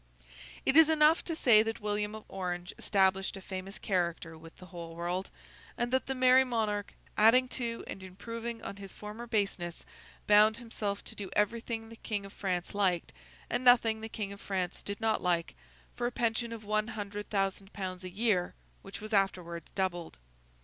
It is enough to say that William of Orange established a famous character with the whole world; and that the Merry Monarch, adding to and improving on his former baseness, bound himself to do everything the King of France liked, and nothing the King of France did not like, for a pension of one hundred thousand pounds a year, which was afterwards doubled.